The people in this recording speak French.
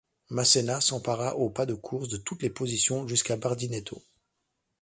Masséna s'empara au pas de course de toutes les positions jusqu'à Bardineto.